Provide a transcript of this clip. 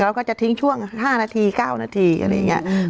ก็จะทิ้งช่วง๕นาที๙นาทีอะไรอย่างนี้